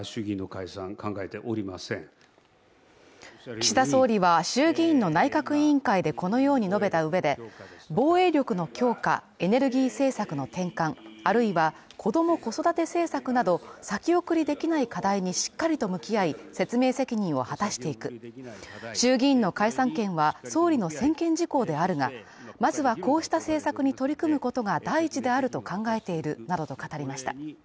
岸田総理は衆議院の内閣委員会でこのように述べた上で、防衛力の強化、エネルギー政策の転換、あるいは子ども・子育て政策など、先送りできない課題にしっかりと向き合い、説明責任を果たしていく、衆議院の解散権は総理の専権事項であるが、まずはこうした政策に取り組むことが第一であると考えているなどと語りました。